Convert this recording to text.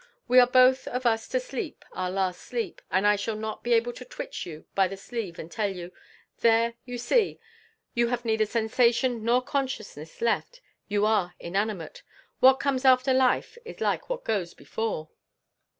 We are going both of us to sleep our last sleep, and I shall not be able to twitch you by the sleeve and tell you: 'There you see; you have neither sensation nor consciousness left; you are inanimate. What comes after life is like what goes before.'"